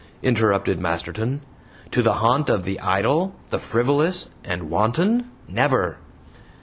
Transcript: interrupted Masterton; "to the haunt of the idle, the frivolous and wanton never!"